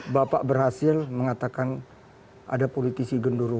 bapak berhasil mengatakan ada politisi genduro